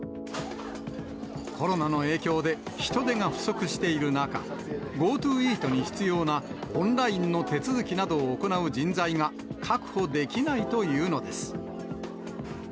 コロナの影響で、人手が不足している中、ＧｏＴｏイートに必要なオンラインの手続きなどを行う人材が確保できないというのです。